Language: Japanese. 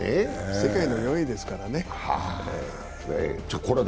世界の４位ですからね。